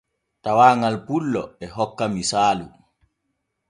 Tawaaŋal pullo e hokka misaalu.